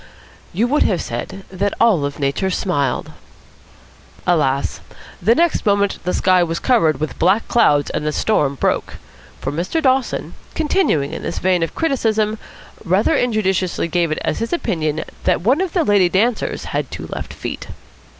You would have said that all Nature smiled. Alas! The next moment the sky was covered with black clouds and the storm broke. For Mr. Dawson, continuing in this vein of criticism, rather injudiciously gave it as his opinion that one of the lady dancers had two left feet.